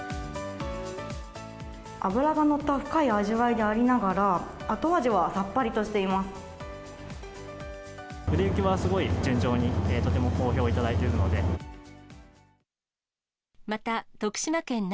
脂が乗った深い味わいでありながら、後味はさっぱりとしています。